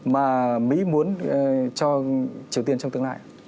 mà mỹ muốn cho triều tiên trong tương lai